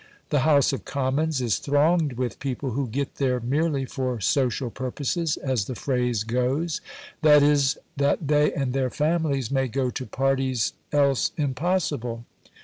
The House of Commons is thronged with people who get there merely for "social purposes," as the phrase goes; that is, that they and their families may go to parties else impossible.